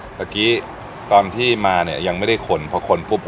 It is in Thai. รสชาติตอนที่มาเนี้ยยังไม่ได้คนพอคนปุ้บโอ้โห